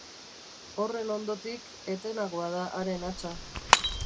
Horren ondotik, etenagoa da haren hatsa.